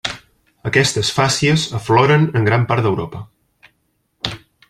Aquestes fàcies afloren en gran part d'Europa.